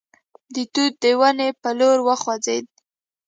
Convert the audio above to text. د توت د ونې په لور وخوځېد.